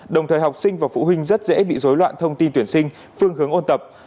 đồng thời học sinh và phụ huynh rất dễ bị rối loạn thông tin tuyển sinh phương hướng ôn tập